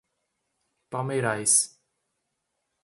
Palmeirais